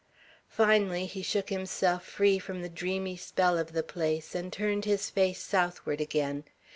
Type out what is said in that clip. Finally he shook himself free from the dreamy spell of the place, and turned his face southward again.